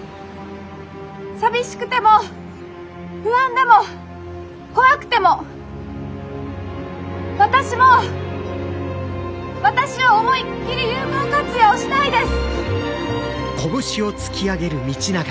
寂しくても不安でも怖くても私も私を思いっきり有効活用したいです！